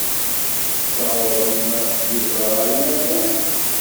Tessawḍem Yuba ɣer unafag?